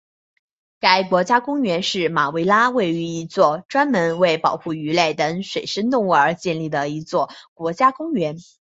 该国家公园是马拉维位于的一座专门为保护鱼类等水生动物而建立的一座国家公园。